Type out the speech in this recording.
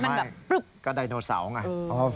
มันแบบปลึ๊บก็ไดโนเสาร์ไง